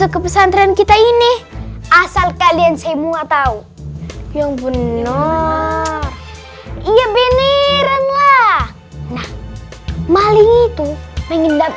ke pesantren kita ini asal kalian semua tahu yang bener iya beneran lah nah maling itu mengindap